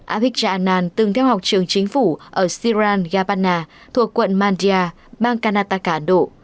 abhigya anand từng theo học trường chính phủ ở siran gapanna thuộc quận mandya bang kanataka ấn độ